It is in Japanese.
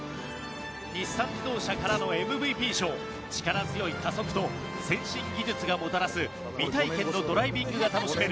日産自動車からのＭＶＰ賞力強い加速と先進技術がもたらす未体験のドライビングが楽しめる